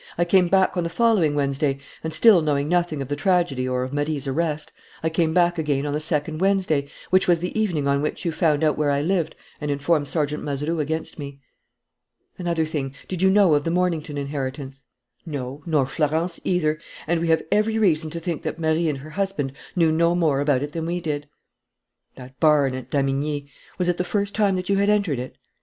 I came back on the following Wednesday, and, still knowing nothing of the tragedy or of Marie's arrest, I came back again on the second Wednesday, which was the evening on which you found out where I lived and informed Sergeant Mazeroux against me." "Another thing. Did you know of the Mornington inheritance?" "No, nor Florence either; and we have every reason to think that Marie and her husband knew no more about it than we did." "That barn at Damigni: was it the first time that you had entered it?"